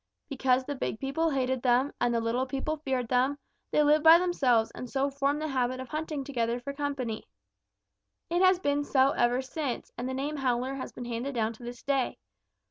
Because the big people hated them, and the little people feared them, they lived by themselves and so formed the habit of hunting together for company. "It has been so ever since, and the name Howler has been handed down to this day.